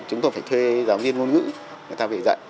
chúng tôi phải thuê giáo viên ngôn ngữ người ta về dạy